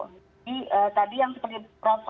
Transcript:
jadi tadi yang seperti prof